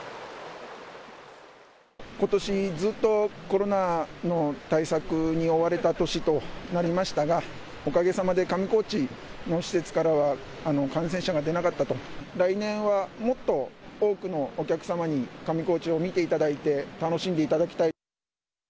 ことしずっとコロナの対策に追われた年となりましたがおかげさまで上高地の施設からは感染者が出なかったと来年はもっと多くのお客様に上高地を見ていただいて楽しんでいただきたい。